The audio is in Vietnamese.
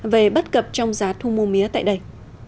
về bất cập trong giá thu mua mía tại đây